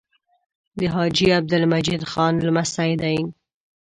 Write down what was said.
د حاجي عبدالمجید خان لمسی دی.